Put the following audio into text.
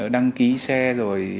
đăng ký xe rồi